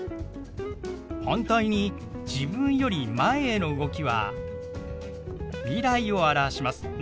反対に自分より前への動きは未来を表します。